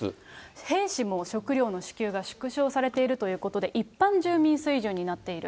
兵士も食糧の支給が縮小されているということで、一般住民水準になっている。